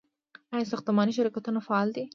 آیا ساختماني شرکتونه فعال دي؟